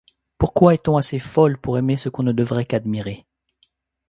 Pourquoi est-on assez folle pour aimer ce qu'on ne devrait qu'admirer ?